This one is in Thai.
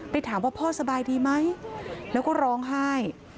ถามว่าพ่อสบายดีไหมแล้วก็ร้องไห้